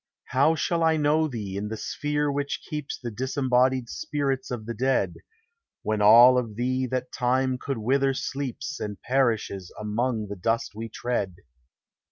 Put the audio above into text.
How shall I know thee in the sphere which keeps The disembodied spirits of the dead, When all of thee that time could wither sleeps And perishes among the dust we tread?